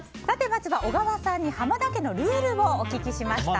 まずは小川さんに浜田家のルールをお聞きしました。